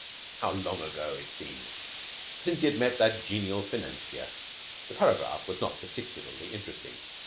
How long ago it seemed since he had met that genial financier. The paragraph was not particularly interesting.